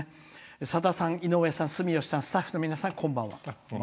「さださん、住吉さん、井上さんスタッフの皆さん、こんばんは。